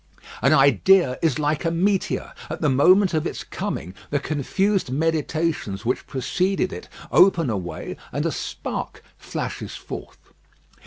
An idea is like a meteor; at the moment of its coming, the confused meditations which preceded it open a way, and a spark flashes forth.